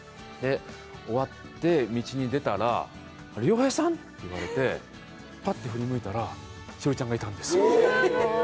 終わって道に出たら、亮平さん？って言われて、パッて振り向いたら栞里ちゃんがいたんです。